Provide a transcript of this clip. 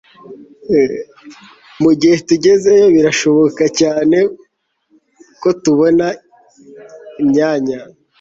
mugihe tugezeyo, birashoboka cyane ko tubona imyanya